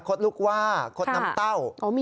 ลูกว่าคดน้ำเต้า